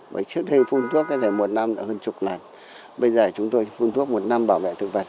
bởi trước hết phun thuốc có thể một năm là hơn chục lần bây giờ chúng tôi phun thuốc một năm bảo vệ thực vật